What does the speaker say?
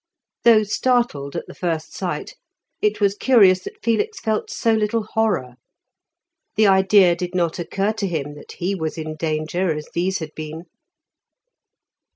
Though startled at the first sight, it was curious that Felix felt so little horror; the idea did not occur to him that he was in danger as these had been.